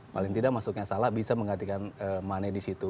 paling tidak masuknya salah bisa menggantikan mane di situ